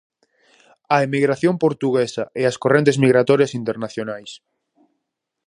A emigración portuguesa e as correntes migratorias internacionais.